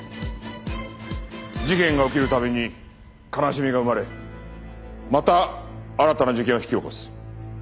事件が起きる度に悲しみが生まれまた新たな事件を引き起こす。